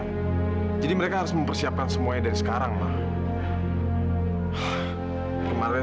sampai jumpa di video selanjutnya